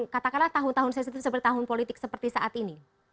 katakanlah tahun tahun sensitif seperti tahun politik seperti saat ini